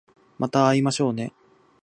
また会いましょうね